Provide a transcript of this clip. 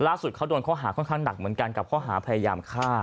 เขาโดนข้อหาค่อนข้างหนักเหมือนกันกับข้อหาพยายามฆ่า